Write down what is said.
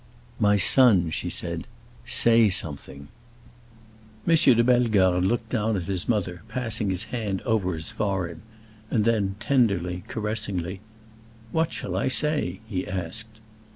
"My son," she said, "say something!" M. de Bellegarde looked down at his mother, passing his hand over his forehead, and then, tenderly, caressingly, "What shall I say?" he asked.